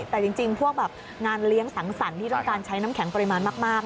แต่จริงพวกแบบงานเลี้ยงสังสรรค์ที่ต้องการใช้น้ำแข็งปริมาณมาก